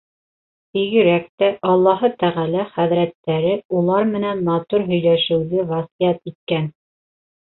Бигерәк тә Аллаһы Тәғәлә хәҙрәттәре улар менән матур һөйләшеүҙе васыят иткән.